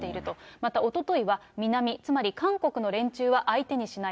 また、おとといは、南、つまり韓国の連中は相手にしない。